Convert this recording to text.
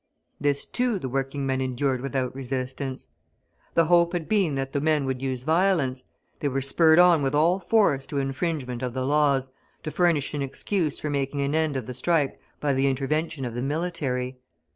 This, too, the working men endured without resistance. The hope had been that the men would use violence; they were spurred on with all force to infringements of the laws, to furnish an excuse for making an end of the strike by the intervention of the military.